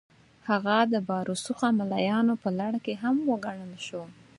هغه د با رسوخه ملایانو په لړ کې هم وګڼل شو.